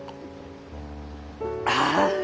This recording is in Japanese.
ああ！